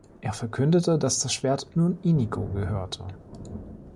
Er verkündete, dass das Schwert nun Inigo gehörte.